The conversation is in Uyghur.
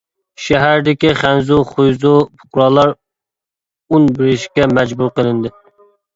شەھەردىكى خەنزۇ، خۇيزۇ پۇقرالار ئۇن بېرىشكە مەجبۇر قىلىندى.